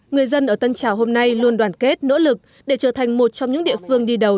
người dân ở tân trào hôm nay luôn đoàn kết nỗ lực để trở thành một trong những địa phương đi đầu